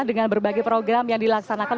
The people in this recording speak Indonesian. dengan berbagai program yang dilaksanakan